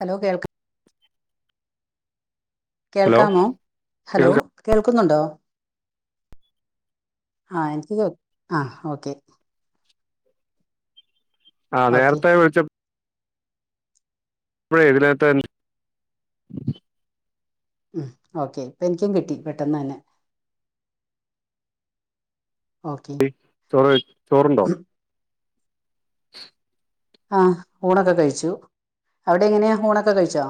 Hello കേൾക്ക കേൾക്കാമോ hello കേൾക്കുന്നുണ്ടോ. ആ എനിക്ക് ആ ഓക്കെ. ആ നേരത്തെ വിളിച്ച അപോയെ ഇതിനകത്തെ മ് ഓക്കെ പ്പ എനിക്കും കിട്ടി പെട്ടെന്ന് തന്നെ. ഓക്കെ. ചോറ് കഴ് ചോറുണ്ടോ. [inaudible] ആ ഊണൊക്കെ കഴിച്ചു അവിടെ എങ്ങനെയാ ഊണൊക്കെ കഴിച്ചോ.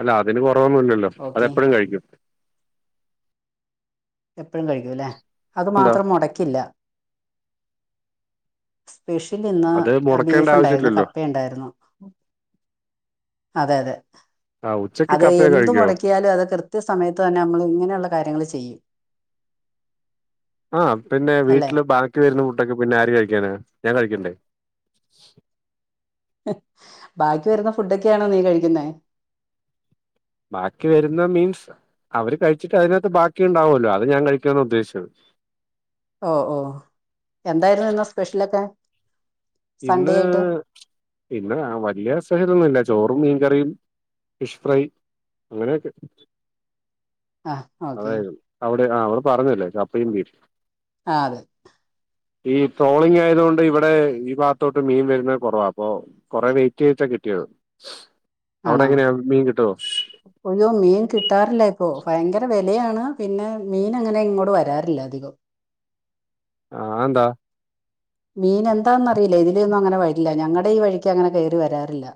അല്ല അതിന് കുറവൊന്നും ഇല്ലല്ലോ അതെ എപ്പോഴും കഴിക്കും. എപ്പോഴും കഴിക്കുല്ലേ അത് മാത്രം മുടക്കില്ല. സ്പെഷ്യൽ ഇന്ന് ബീഫുണ്ടായിരുന്നു കപ്പയുണ്ടായിരുന്നു. അതെ അതെ അത് എന്ത് മുടക്കിയാലും അത് കൃത് കൃത്യ സമയത്ത് തന്നെ നമ്മൾ ഇങ്ങനെയുള്ള കാര്യങ്ങൾ ചെയ്യും. ആ പിന്നെ വീട്ട്ല് ബാക്കി വരുന്ന ഫുഡൊക്കെ പിന്നെ ആര് കഴിക്കാന ഞാൻ കഴിക്കണ്ടേ. ബാക്കി വരുന്ന ഫുഡൊക്കെയാണോ നീ കഴിക്കുന്നേ ബാക്കി വരുന്ന മീൻസ് അവര് കഴിച്ചിട്ട് അതിനാത്ത് ബാക്കിണ്ടാവല്ലോ അത് ഞാൻ കഴിക്കുന്നാ ഉദ്ദേശിച്ചത് ഓ ഓ എന്തായിരുന്നു ഇന്ന സ്പെഷ്യലൊക്കെ ഇന്ന് പിന്ന വല്യ സഹിതൊന്നുല്ല ചോറും മീൻകറിയും ഫിഷ് ഫ്രൈ അങ്ങനെയൊക്കെ അതായത് അവിടെ ആ അവള് പറഞ്ഞൂല്ലേ കപ്പയും ബീഫും ആ അതെ ഈ ട്രോളിങ് ആയത് കൊണ്ട് ഇവിടെ ഈ ഭാത്തോട്ട് മീൻ വെരുന്നത് കൊറവാ അപ്പൊ കൊറെ വെയിറ്റ് ചെയ്തിട്ടാ കിട്ടിയത് അവിടെങ്ങനെയാ മീൻ കിട്ടുവോ ഒയ്യോ മീൻ കിട്ടാറില്ല ഇപ്പൊ. ഭയങ്കര വെലെയാണ്. പിന്നെ മീൻ അങ്ങനെ ഇങ്ങോട് വരാറില്ല അധികം ആ ന്താ മീനെന്താന്നറിയില്ല ഇതിലെന്നും അങ്ങനെ വരില്ല ഞങ്ങടെ ഈ വഴിക്കങ്ങനെ കേറി വരാറില്ല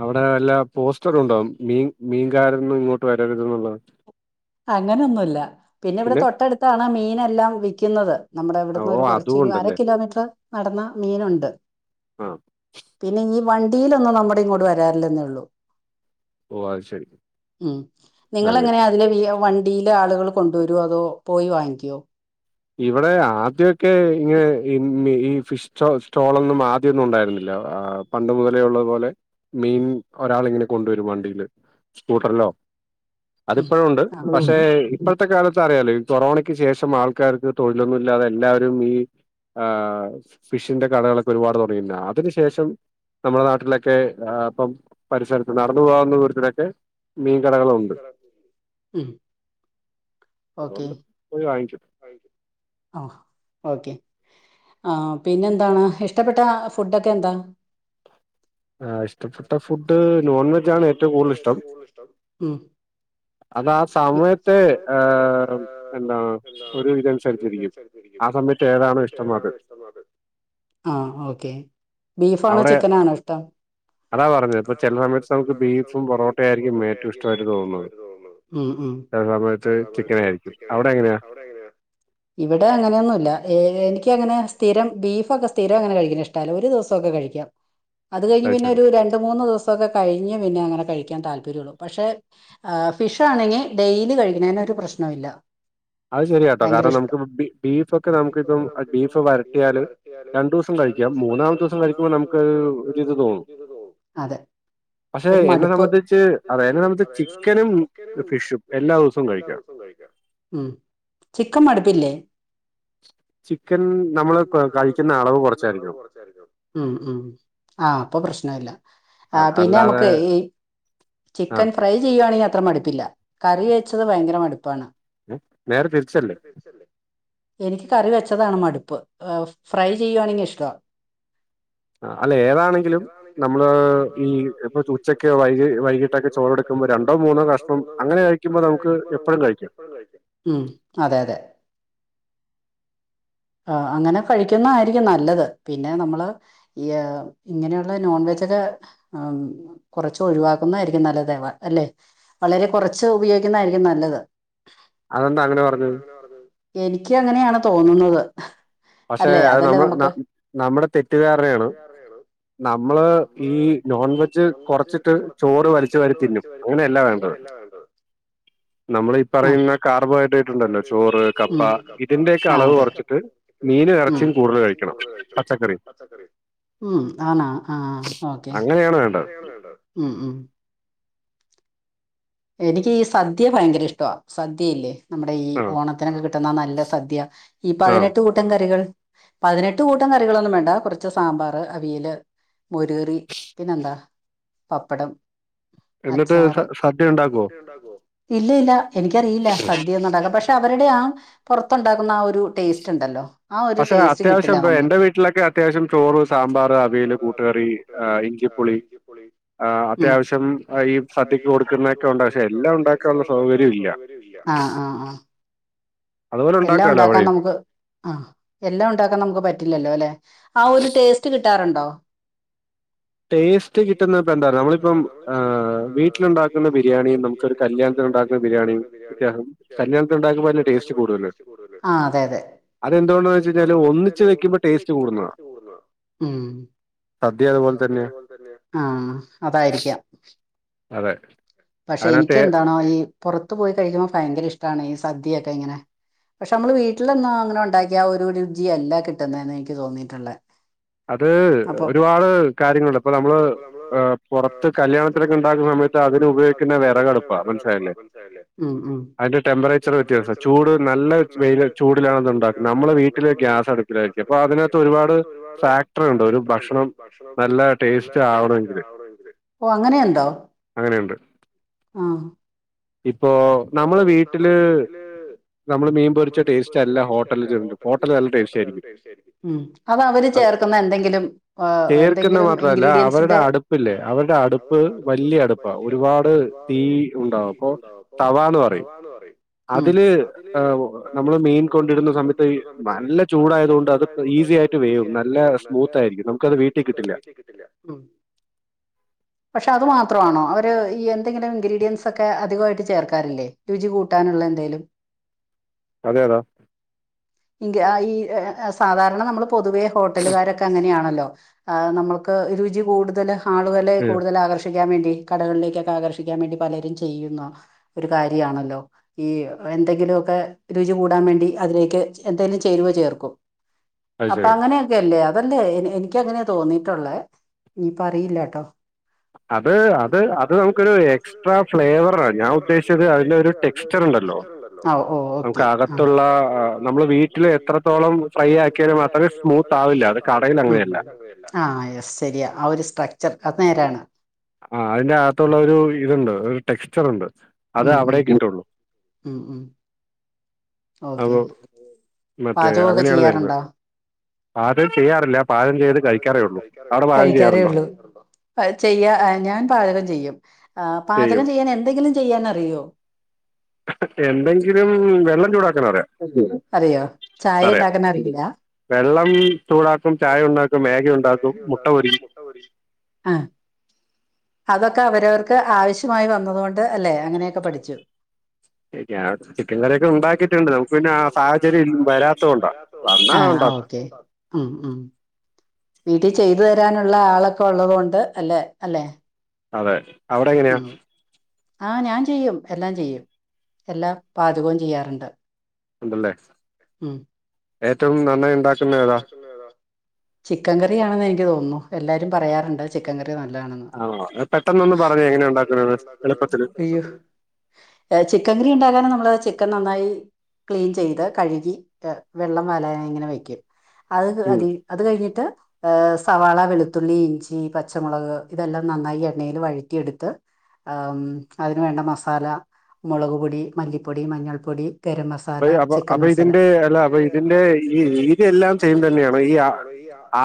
അവിടെ വല്ല പോസ്റ്ററ്ണ്ടോ മീൻ മീൻകാരൊന്നും ഇങ്ങോട്ട് വരരുതെതന്നുള്ളതാ അങ്ങനൊന്നുല്ല പിന്നെവിടെ തൊട്ടടുത്താണ് മീനെല്ലാം വിക്കുന്നത് നമ്മടെ ഇവിടുന്നൊരു കൊറച്ചൊരു അര കിലോമീറ്ററ് നടന്നാ മീനൊണ്ട് ആ പിന്നെ ഈ വണ്ടീലൊന്നും നമ്മടെ ഇങ്ങോട്ട് വരാറില്ലെന്നേള്ളൂ ഉ നിങ്ങളെങ്ങനെയാ അതിനെ വീ വണ്ടീലളുകള് കൊണ്ടുവരുവോ അതോ പോയി വാങ്ങിക്കുവോ ഇവിടെ ആദ്യൊക്കെ ഇങ്ങനെ ഈ ഫിഷ്സ്റ്റോളൊന്നും ആദ്യൊന്നും ഉണ്ടായിരുന്നില്ല ആ പണ്ട് മുതലേ ഒള്ളതു പോലെ മീൻ ഒരാളിങ്ങനെ കൊണ്ടുവരും വണ്ടിയില് സ്കൂട്ടറിലോ അതിപ്പോഴു ഒണ്ട്. പക്ഷെ ഇപ്പോഴത്തെ കാലത്ത് അറിയാലോ ഈ കൊറോണയ്ക്ക് ശേഷം ആൾക്ക ഇക്കാലത്ത് തൊഴിലൊന്നുല്ലാതെ എല്ലാവരും ഈ ആഹ് ഫിഷിന്റെ കടകളൊക്കെ ഒരുപാട് തൊടങ്ങീണ്ട് അതിനു ശേഷം നമ്മള നാട്ടിലെക്കെ ഇപ്പം പരിസരത്ത് നടന്നു പോവാന്ന് കുറിച്ചട്ടൊക്കെ മീൻകടകളുവുണ്ട് അതൊണ്ട് പോയി വാങ്ങിച്ചിട്ട ആഹ് ഓക്കെ ആ പിന്നെന്താണ് ഇഷ്ട്ടപ്പെട്ട ഫുഡൊക്കെ എന്താ ആ ഇഷ്ടപ്പെട്ട ഫുഡ് നോൺ വെജ്ജാണ് ഏറ്റവും കൂടുതൽ ഇഷ്ടം മ് അതാ സമയത്ത് ഏ എന്താ ഒരു ഇതനുസരിച്ചിരിക്കും ആ സമയത്ത് ഏതാണോ ഇഷ്ടമത് ആ ഓക്കെ ബീഫാണോ ചിക്കനാണോ ഇഷ്ടം അതാ പറഞ്ഞത് ഇപ്പ ചെല സമയത്ത് നമ്മക്ക് ബീഫും പൊറോട്ടയും ആയിരിക്കും ഏറ്റ ഇഷ്ടമായിട്ട് തോന്നുന്നത് ചില സമയത്ത് ചിക്കനായിരിക്കും അവിടെ എങ്ങനെയാ ഇവിടെ അങ്ങനെയൊന്നുല്ല ഏ എനിക്ക് അങ്ങനെ സ്ഥിരം ബീഫൊക്കെ സ്ഥിരം അങ്ങനെ കഴിക്ക്ണഇഷ്ടല്ല ഒരു ദിവസം ക്കെ കഴിക്കാം [inaudible] അത് കഴിഞ്ഞ് പിന്നെ ഒരു രണ്ട് മൂന്ന് ദിവസൊക്കെ കഴിഞ്ഞ് പിന്നെ അങ്ങനെ കഴിക്കാൻ താല്പര്യം ഒള്ളൂ പക്ഷേ ആ ഫിഷ് ആണെങ്കി ഡെയിലി കഴിക്ക് ണേന് ഒരു പ്രശ്നം ഇല്ല അത് ശരിയാട്ടോ കാരണം നമുക്ക് ബീ ബീഫൊക്കെ നമുക്കിപ്പം ബീഫ് വരട്ടിയാല് രണ്ടുസം കഴിക്ക മൂന്നാമത്തെ സം കഴിക്കുമ്പോ നമുക്ക് ഒരുരിത് തോന്നും ഒര് മുടുപ്പ് അതായത് നമ്മുക്ക്ചിക്കനും ഫിഷും എല്ലാ ദിസവും കഴിക്ക ഉം ചിക്കൻ മടുപ്പില്ലേ ചിക്കൻ നമ്മള് ക കഴിക്കുന്ന അളവ് കുറച്ചായിരിക്കണ്ണം ഉം ഉം ആഹ് അപ്പൊ പ്രശ്നല്ല ആ പിന്നെ നമ്മക്ക് ഈ ചിക്കൻ ഫ്രൈ ചെയ്യുവാണെങ്കി അത്ര മടുപ്പില്ല കറി വച്ചത് ഭയങ്കര മടുപ്പാണ് നേര തി നേരെ തിരിച്ച് ല്ലേഎനിക്ക് കറി വെച്ചതാണ് മടുപ്പ് ഫ്രൈ ചെയ്യുവാണെങ്കി ഇഷ്ട്ട [inaudible] ആ അല്ല ഏതാണെങ്കിലും നമ്മള് ഈ ഇപ്പൊ ഉച്ചക്കെ വൈകി വൈകിട്ടൊക്കെ ചോറ് ചോറ് എടുക്കുമ്പോ രണ്ടോ മൂന്നോ കഷ്ണം അങ്ങനെ കഴിക്കുമ്പോ നമുക്ക് എപ്പോഴും കഴിക്കാം ഉം അതെ അതെ ആഹ് അങ്ങനെ കഴിക്കുന്നായിരിക്കും നല്ലത് പിന്നെ നമ്മള് ഈ ഇങ്ങനെയുള്ള നോൺവെജൊക്കെ ആഹ് കുറച്ച് ഒഴിവാക്കുന്നതായിരിക്കും നല്ലതേവ അല്ലെ വളരെ കുറച്ച് ഉപയോഗിക്കുന്നതായിരിക്കും നല്ലത് എനിക്ക് അങ്ങനെയാണ് തോന്നുന്നത്. പക്ഷെ അത് നമ്മ നമ നമ്മുടെ തെറ്റിദ്ധാരണയാണ് നമ്മള് ഈ നോൺ വെജ് കുറച്ചിട്ട് ചോറ് വലിച്ച് വാരി തിന്നും അങ്ങനെയല്ല വേണ്ടത് നമ്മൾ ഈ പറയുന്ന കാർബോഹൈഡ്രേറ്റ് ഉണ്ടല്ലോ ചോറ് കപ്പ ഇതിന്റെ ഒക്കെ അളവ് കുറച്ചിട്ട് മീനും ഇറച്ചിയും കൂടുതൽ കഴിക്കണം പച്ചക്കറിയും അങ്ങനെയാണ് വേണ്ടത് ഉം ഉം എനിക്ക് ഈ സദ്യ ഭയങ്കര ഇഷ്ടവാ സദ്യയില്ലേ നമ്മുടെ ഈ ഓണത്തിനൊക്കെ കിട്ടുന്ന നല്ല സദ്യ ഈ പതിനെട്ട് കൂ കൂട്ടം കറികൾ പതിനെട്ട് കൂട്ടം കറികളൊന്നും വേണ്ട കുറച്ച് സാമ്പാർ അവിയല് മോരു കറി പിന്നെന്താ പപ്പടം എന്നിട്ട് സദ്യ ഉണ്ടാക്കോ? ഉണ്ടാക്കുവോ ഇല്ല ഇല്ല എനിക്കറിയില്ല സദ്യ ഒന്നുണ്ടാക്കാൻ പക്ഷെ പക്ഷെ അവരുടെ ആഹ് പുറത്തുണ്ടകുന്ന ആഹ് ഒരു ടേസ്റ്റ് ഉണ്ടല്ലോ പക്ഷെ അത്യാവശ്യം എന്തുവാ എൻ്റെ വീട്ടിലൊക്കെ അത്യാവശ്യം ചോറും സാമ്പാർ അവിയല് കൂട്ടുകറി ആഹ് ഇഞ്ചിപ്പുളി അത്യാവശ്യം ഈ സദ്യക്ക് കൊ തട്ടിക്ക് കൊടുക്കുന്നൊക്കെ ഉണ്ട് പക്ഷെ എല്ലാം ഉണ്ടാക്കാനുള്ള സൗകര്യം ഇല്ല ആഹ് ആഹ് ആഹ് എല്ലാം ഉണ്ടാക്കാൻ നമുക്ക് ആഹ് എല്ലാം ഉണ്ടാക്കാൻ നമുക്ക് പറ്റില്ലല്ലോ അല്ലെ ആഹ് ഒരു ടേസ്റ്റ് കിട്ടാറുണ്ടോ ടേസ്റ്റ് കിട്ടുന്നപ്പ എന്താ നമ്മളിപ്പം ആഹ് വീട്ടിലുണ്ടാക്ക ബിരിയാണിയും നമ്മുക്ക് ഒരു കല്യാത്തിന് ഉണ്ടാക്കുന്ന ബിരിയാണിയും വ്യത്യാസം കല്യാണത്തിന് ഉണ്ടാക്കുമ്പോൾ അതില് ടേസ്റ്റ് കൂടുവല്ലോ ആഹ് അതെ അതെ അതെന്തുകൊണ്ടാന്ന് വെച്ച് കഴിഞ്ഞാല് ഒന്നിച്ച് വെക്കുമ്പോ ടേസ്റ്റ് കൂടുന്നതാ ഉം സദ്യ അതുപോലെ അതുപോലെ തന്നെ ആഹ് അതായിരിക്കാം അതെ പക്ഷെ എനിക്ക് എന്താണോ ഈ പുറത്തു പോയി കഴിക്കുമ്പോ ഭയങ്കര ഇഷ്ടമാണ് ഈ സദ്യൊക്കെ ഇങ്ങനെ പക്ഷെ നമ്മള് വീട്ടിലൊന്നും അങ്ങനെ ഉണ്ടാക്കിയ ആഹ് ഒരു രുചിയല്ല കിട്ടുന്നെന്ന് എനിക്ക് തോന്നിയിട്ടുള്ളേ അത് ഒരുപാട് കാര്യങ്ങളുണ്ട് ഇപ്പൊ നമ്മള് പുറത്ത് കല്യാണത്തിനൊക്കെ ഉണ്ടാകുന്ന ഉം ഉം അറ്റു ടെമ്പറേറ്റർ ചെല വ്യത്യാസം, ചൂട് നല്ല വെയിൽ ചൂടിലാണത് ഉണ്ടാക്കുന്നത് നമ്മുടെ വീട്ടിൽ ഗ്യാസടു [inaudible] അപ്പൊ അതിനത്ത് ഒരുപാട് ഫാക്ടർ ഉണ്ട് ഒരു ഭക്ഷണം നല്ലാട്ട് നല്ല ടേസ്റ്റ് ആവണോങ്കില് ഓ അങ്ങനെ ഉണ്ടോ അങ്ങനെയുണ്ട് ആഹ് ഇപ്പോ നമ്മള് വീട്ടില് നമ്മള് മീൻ പൊരിച്ച ടേസ്റ്റ് അല്ല ഹോട്ടിൽ ചണ്ട് ഹോട്ടൽ നല്ല ടേസ്റ്റ് ആയിരിക്കും ഉം അത് അവര് ചേർക്കുന്ന എന്തെങ്കിലും ആഹ് എന്തെങ്കിലും ഇൻഗ്രീഡിയൻസ് അവരുടെ അടുപ്പില്ലേ അവരുടെ അടുപ്പ് വലിയ അടുപ്പാ ഒരുപാട് തീ ഉണ്ടാവും അപ്പൊ തവാന്ന് പറ പോയി അതില് നമ്മള് മീൻ കൊണ്ടിടുന്ന സമയത്ത് ഈ നല്ല ചൂടായതുകൊണ്ട് അത്... ഈസി ആയിട്ട് വേവും നൽ.... വേവും. നല്ല സ്മൂത്ത് ആയിരിക്കും നമുക്കത് വീട്ടി കിട്ടില്ല... ഉം. പക്ഷെ അതു മാത്രമാണോ അവര് ഈ എന്തെങ്കിലും.. ഇൻഗ്രീഡിയൻസ് ക്കെ അധിക. മായി ചേർ ക്കല്ലേ രുചി കൂട്ടാനുള്ള എന്തേലും അതെതാ ഗാ.. ഇ.. ഈ സാധാരണ നമ്മൾ പൊതുവെ ഹോട്ടലുകാരൊക്കെ അങ്ങനെയാണല്ലോ ആ നമുക്ക് രുചി കൂടുതല് ആളുകളെ കൂടുതൽ ആകർഷ... യ്യാൻവേണ്ടി കടകളിലേക്കൊക്കെ ആകർഷാൻ വേണ്ടി പലരും ചെയ്യുന്ന ഒരു കാര്യണല്ലോ ഈ എന്തെങ്കിലുമൊക്കെ രുചി കൂടാൻ വേണ്ടി അതിലേക്ക് എന്തേലും ചേരുവ ചേർക്കും അപ്പൊ അങ്ങനെ ല്ലേ അതല്ലേ എനിക്കങ്ങനെ തോന്നിയിട്ടുള്ളേ ഇനീപ്പറിയില്ല ട്ടോ അത് അത് അത് നമുക്കൊരു എക്സ്ട്രാ ഫ്ലേവറ ഞാൻ ഉദ്ദേശിച്ചത് അതിന്റെ ഒരുടെക് [unintelligible] നമുക്ക് അകത്തുള്ള വീട്ടിൽ എത്രത്തോളം ഫ്രൈ ആക്കിയാലും മാത്രമേ സ്മൂത്ത് ആവില്ല അത് കടയിൽ അങ്ങനെയ അല്ല ആഹ് യസ് ശരിയാ ആ ഒരു സ്ട്രക്ചർ അത് നേരാണ് ആ അതിന്റെ അകത്തുള്ള ഒരു ഇത്ണ്ട് ഒരു ടെക്സ്ചർ ഉണ്ട് ഉം ഉം ഉം ഉം ഓക്കെ പാചകൊക്കെ ചെയ്യാറുണ്ടോ കഴിക്കാറേള്ളൂ അത് ചെയ്യാ ഞാൻ പാചകം ചെയ്യും ആ പാചകം ചെയ്യാൻ എന്തെങ്കിലും ചെയ്യാനറിയോ അറിയോ ചായ ഇണ്ടാക്കനറിയില്ല വെള്ളം ചൂടാക്കും ചായ ഉണ്ടാക്കും മാഗി ഉണ്ടാക്കും മുട്ട പൊരി ആ അതൊക്കെ അവരവർക്ക് ആവശ്യമായി വന്നതുകൊ ത് അല്ലെ അങ്ങനെയൊക്കെ പഠിച്ചു ഞാൻ ചിക്കൻ കറിയൊക്കെ ഉണ്ടാക്കിട്ടുണ്ട് നമുക്ക് പിന്നെ ആ സാഹചര്യം വരാത്തുകൊണ്ടാ ആ ഓക്കെ ഉം ഉം വീട്ടിൽ ചെയ്തു തരാനുള്ള ആളൊക്കെ ഉള്ളതു കൊണ്ട് അല്ലെ അല്ലെ അതെ അവിടെ എങ്ങനെയാ ആ ഞാൻ ചെയ്യും എല്ലാം ചെയ്യും എല്ലാം പാചകവും ചെയ്യാറ്ണ്ട് ഉണ്ടല്ലേ ഏറ്റവും നന്നായി ഉണ്ടാക്കു - [unintelligible] ഏതാ. ചിക്കൻ കറിയാണെന്ന് എനിക്ക് തോന്നുന്നു എല്ലാരും പറയാറുണ്ട് ചിക്കൻ കറി നല്ലതാണെന്ന് ആണോ പെട്ടെന്ന ഒന്ന് പറഞ്ഞെ എങ്ങനെ ഉണ്ടാക്കുന്ന എളുപ്പത്തില് ചിക്കൻ കറി ഉണ്ടാകാന് നമ്മള് ചിക്കൻ നന്നായി ക്ലീൻ ചെയ്ത് കഴുകി വെള്ളം വലാന ഇങ്ങനെ വയ്ക്കും അത് അ അത് കഴിഞ്ഞിട്ട് ഏ സവാള വെളുത്തുള്ളി ഇഞ്ചി പച്ചമുളക് ഇതെല്ലാം നന്നായി എണ്ണയി ൽ വഴറ്റിയെടുത്ത് ആം അതിന് വേണ്ട മസാല മുളക്പൊടി, മല്ലിപ്പൊടി, മഞ്ഞൾപ്പൊടി, ഗരം മസ [unintelligible] അപ്പൊ അപ്പൊ ഇതിന്റെ അല്ല അപ്പൊ ഇതിന്റെ ഈ ഈ ഇതെല്ലാം സെയിം തന്നെയാണോ ഈ ആൾ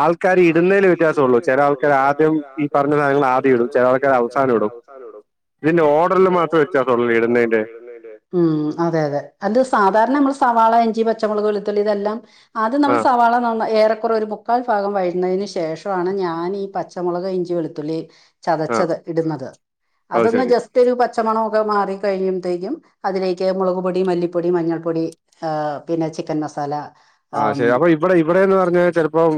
ആൾക്കാർ ഇടുന്നതിൽ വ്യത്യാസള്ളൂ ചില ആൾക്കാർ ആദ്യം ഇ പറഞ്ഞ സാധനങ്ങൾ ആദ്യം ഇട ചില ആൾക്കർ അവസാനം ഇടും ഇതിന്റെ ഓർഡറിൽ മാത്രെ വെത്യാസള്ളൂ ഇടുന്നതിന്റെ ഉം അതെ അതെ അത് സാധാരണ നമ്മൾ സവാള ഇഞ്ചി പച്ചമുളക് വെളുത്തുള്ളി ഇതെല്ലാം അത് നമ്മൾ സവാള നന്ന ഏറെക്കുറെ ഒരു മുക്കാൽ ഭാഗം വഴന്നതിന് ശേഷാണ് ഞാൻ ഈ പച്ച പച്ചമളക് ഇഞ്ചി വെളുത്തുള്ളി ചതച്ചത് ഇടുന്നത് അതൊന്ന് ജസ്റ്റ് ത്തൊരു പച്ചമണം ഒക്കെ മാറി കഴിമ്പ്ത്തേക്കും അതിലേക്ക് മൊളക് പൊടി, മല്ലിപ്പൊടി, മഞ്ഞൾപ്പൊടി ആഹ് പിന്നെ ചിക്കൻ മസാല ആഹ് ശെരി അപ്പൊ ഇവിടെ ഇവിടെന്ന് പറഞ്ഞ ചെൽപ്പോം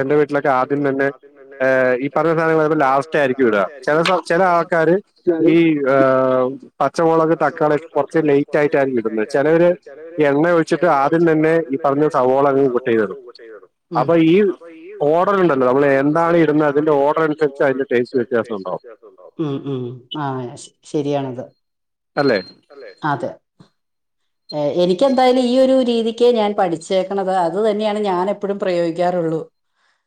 എന്റെ വീട്ടിലൊക്കെ ആദ്യം തന്നെ ഈ പറഞ്ഞ സാനങ്ങള് ലാസ്റ്റ് ആയിരിക്കും ഇട ചെല ചെല ആൾക്കാര് ഈ ഹാ പച്ചമുളക് തക്കാളി കുറച്ച് ലൈറ്റ് ആയിട്ടാണ് ഇടുന്ന്. ചിലര് എണ്ണ ഒഴിച്ചിട്ട് ആദ്യം തന്നെ പറഞ്ഞ് സവാോളങ്ങ് കൂട്ടിയിടും. അപ്പൊ ഈ ഓർഡർ ഇണ്ടല്ലോ നമ്മള് എന്താണ് ഇടുന്ന അതിന്റെ ഓർഡർ അതനുസരിച്ചതിന്റെ ടേസ്റ്റ് വത്യാസം ഉണ്ടാവും. ഉം ഉം ആഹ് ശ ശരിയാണത്. അല്ലേ? അല്ലെ? ആതെ. എനിക്കെന്തായാലും ഈ ഒരു രീതിക്കേ ഞാൻ പഠിച്ചേക്കണത് അത് തന്നെയാണ് ഞാൻ എപ്പോഴും പ്രയോഗിക്കാറുള്ളൂ.